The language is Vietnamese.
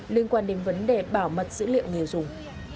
liên quan đến vấn đề bảo mật dữ liệu người dùng